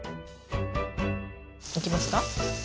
いきますか？